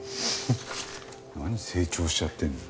何成長しちゃってんの。